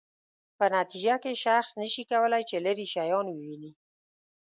په نتیجه کې شخص نشي کولای چې لیرې شیان وویني.